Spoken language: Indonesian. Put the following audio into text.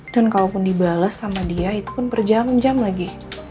dan kalaupun dibales sama dia itu pun berjam jam lagi